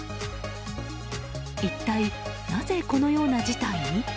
一体なぜこのような事態に？